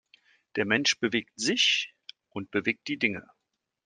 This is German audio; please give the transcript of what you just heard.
Der Mensch bewegt sich und bewegt die Dinge.